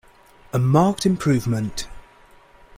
A marked improvement.